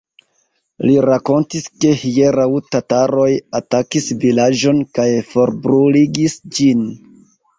Li rakontis, ke hieraŭ tataroj atakis vilaĝon kaj forbruligis ĝin.